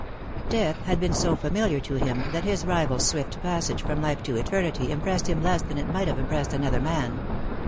Death had been so familiar to him that his rival's swift Eassage from life to eternity impressed him less than it might ave impressed another man.